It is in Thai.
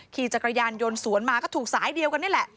ขี่จักรยานยนต์สวนมาก็ถูกสายเดียวกันนี่แหละ